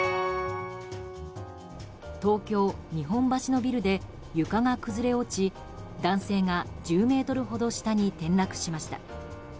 東京・日本橋のビルで床が崩れ落ち男性が１０ｍほど下に転落しました。